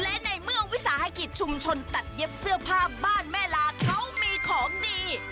และในเมื่อวิสาหกิจชุมชนตัดเย็บเสื้อผ้าบ้านแม่ลาเขามีของดี